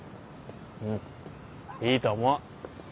うんいいと思う。